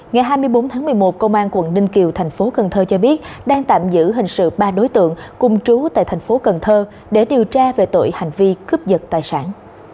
ngày hai mươi bốn tháng một mươi một công an quận ninh kiều thành phố cần thơ cho biết đang tạm giữ hình sự ba đối tượng cung trú tại thành phố cần thơ để điều tra về tội hành vi cướp giật tài sản